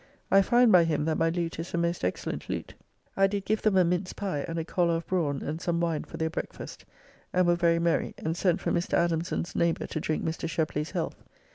I find by him that my lute is a most excellent lute. I did give them a mince pie and a collar of brawn and some wine for their breakfast, and were very merry, and sent for Mr. Adamson's neighbour to drink Mr. Shepley's health.